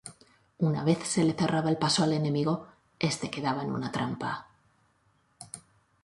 Una vez se le cerraba el paso al enemigo, este quedaba en una trampa.